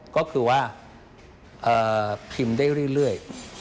ก็คือว่าพิมพ์ได้เรื่อย